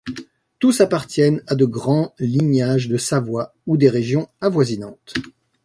Tous appartiennent à de grands lignages de Savoie ou des régions avoisinantes.